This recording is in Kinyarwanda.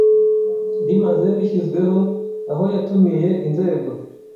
rimaze rishyizweho, aho yatumiye inzego